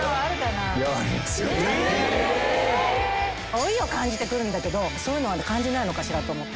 ⁉老いを感じてくるんだけどそういうのは感じないのかしら？